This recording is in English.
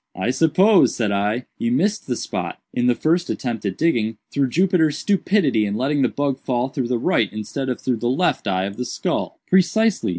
"I suppose," said I, "you missed the spot, in the first attempt at digging, through Jupiter's stupidity in letting the bug fall through the right instead of through the left eye of the skull." "Precisely.